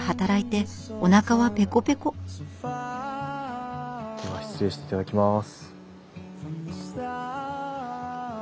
では失礼していただきます。